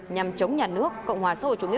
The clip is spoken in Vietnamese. nhằm chống nhà nước cộng hòa